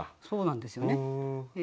そうなんですよね。